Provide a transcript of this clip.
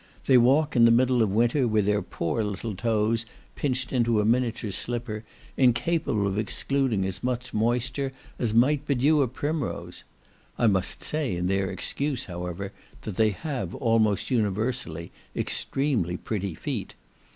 They walk in the middle of winter with their poor little toes pinched into a miniature slipper, incapable of excluding as much moisture as might bedew a primrose. I must say in their excuse, however, that they have, almost universally, extremely pretty feet.